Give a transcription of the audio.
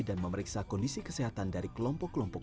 dan memeriksa kondisi kesehatan dari kelompok kelompok